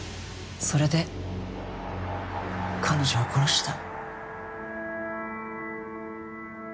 それで彼女を殺した。